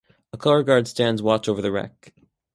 A color guard stands watch over the wreck.